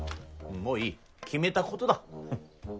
もういい決めたことだ。